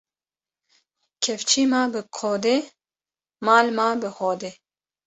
Kevçî ma bi kodê, mal ma bi hodê